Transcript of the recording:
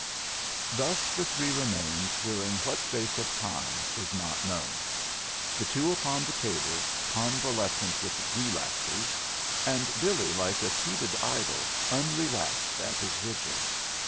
Thus the three remained, during what space of time is not known: the two upon the table, convalescent with relapses, and Billy like a seated idol, unrelaxed at his vigil.